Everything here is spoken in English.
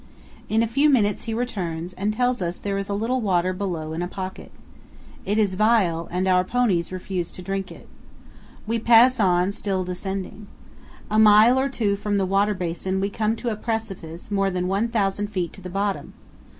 In a few minutes he returns, and tells us there is a little water below in a pocket. It is vile and our ponies refuse to drink it. We pass on, still descending. A mile or two from the water basin we come to a precipice more than 1,000 feet to the bottom.